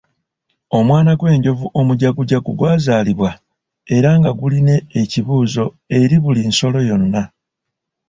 Omwana gw'enjovu omujagujagu gwazalibwa era nga gulina ekibuzo eri buli nsolo yonna.